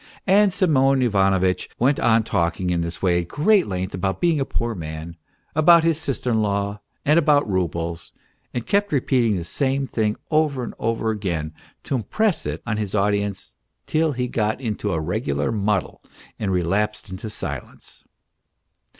... And Semyon Ivanovitch went on talking in this way at great length about being a poor man, about his sister in law and about roubles, and kept repeating the same thing over and over again to impress it on his audience till he got into a regular muddle and relapsed into silence.